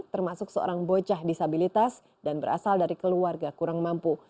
termasuk seorang bocah disabilitas dan berasal dari keluarga kurang mampu